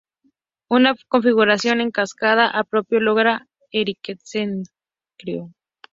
Una configuración "en cascada" apropiado logra enriquecimiento.